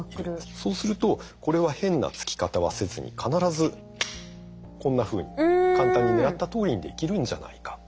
そうするとこれは変なつき方はせずに必ずこんなふうに簡単に狙ったとおりにできるんじゃないかと。